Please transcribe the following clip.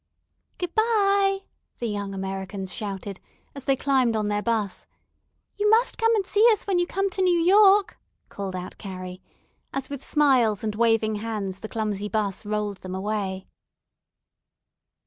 "Good bye," the young Americans shouted, as they climbed on their 'bus. "You must come and see us when you come to New York," called out Carrie, as with smiles and waving hands the clumsy 'bus rolled them away.